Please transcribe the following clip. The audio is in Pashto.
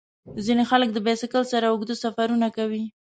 ځینې خلک د بایسکل سره اوږده سفرونه کوي.